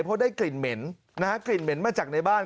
เพราะได้กลิ่นเหม็นนะฮะกลิ่นเหม็นมาจากในบ้าน